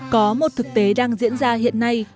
có một thực tế đang diễn ra hiện nay